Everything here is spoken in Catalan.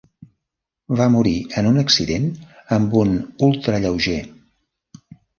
Va morir en un accident amb un ultralleuger.